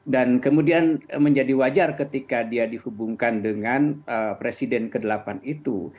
dan kemudian menjadi wajar ketika dia dihubungkan dengan presiden ke delapan itu